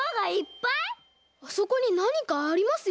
あそこになにかありますよ。